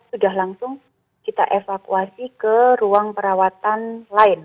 sudah langsung kita evakuasi ke ruang perawatan lain